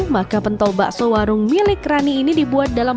maka pentol bakso warung milik rani ini dibuat dalam